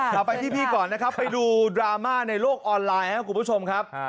เราไปที่พี่ก่อนนะครับไปดูดราม่าในโลกออนไลน์ครับคุณผู้ชมครับ